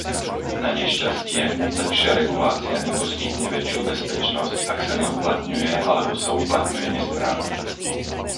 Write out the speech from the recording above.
Nanešťastie, lepšia regulácia neposkytne väčšiu bezpečnosť, ak sa neuplatňuje alebo sa uplatňuje nesprávne.